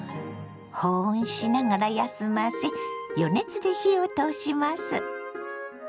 保温しながら休ませ予熱で火を通します。